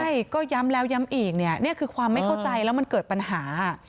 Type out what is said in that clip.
ใช่ก็ย้ำแล้วย้ำอีกเนี่ยนี่คือความไม่เข้าใจแล้วมันเกิดปัญหา